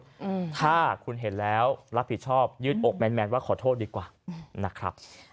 อืมถ้าคุณเห็นแล้วรับผิดชอบยืดอกแมนแมนว่าขอโทษดีกว่าอืมนะครับ